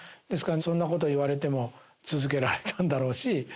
ですから、そんなことを言われても続けられたんだろうし。